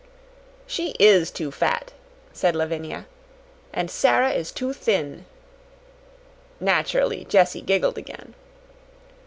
"She IS too fat," said Lavinia. "And Sara is too thin." Naturally, Jessie giggled again.